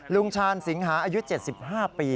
ชาญสิงหาอายุ๗๕ปี